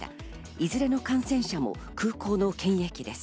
いずれの感染者も空港の検疫です。